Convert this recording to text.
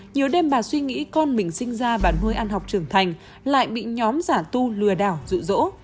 nhiều đêm bà suy nghĩ con mình sinh ra và nuôi ăn học trưởng thành lại bị nhóm giả tu lừa đảo dụ dỗ